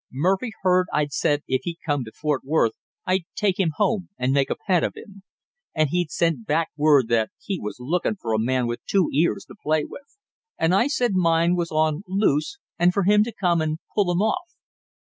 Murphy heard I'd said if he'd come to Fort Worth I'd take him home and make a pet of him; and he'd sent back word that he was looking for a man with two ears to play with; and I'd said mine was on loose and for him to come and pull 'em off.